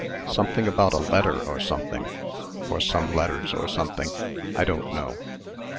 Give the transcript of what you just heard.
"Something about a letter or something, or some letters or something I don't know.